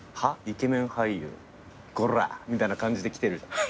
イケメン俳優こらっ」みたいな感じで来てるじゃん。